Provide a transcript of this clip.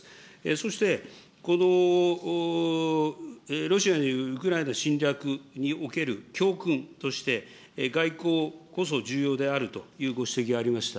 そしてこのロシアによるウクライナ侵略における教訓として、外交こそ重要であるというご指摘がありました。